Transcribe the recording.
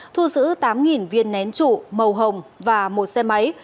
thu giữ tám viên nén trụ màu hồng và một xe máy